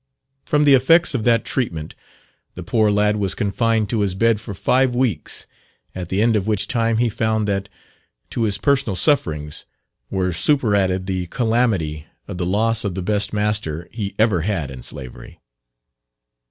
From the effects of that treatment the poor lad was confined to his bed for five weeks, at the end of which time he found that, to his personal sufferings, were superadded the calamity of the loss of the best master he ever had in slavery.